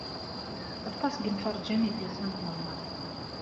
Aṭas imferrjen i d-yusan ɣur-neɣ.